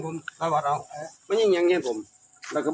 บอกเลยภูแระยังนะนี่ครับคลอไปเลยครับ